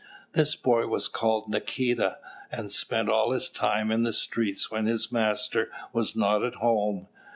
This boy was called Nikita, and spent all his time in the streets when his master was not at home.